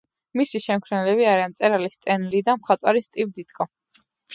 მისი შემქმნელები არიან მწერალი სტენ ლი და მხატვარი სტივ დიტკო.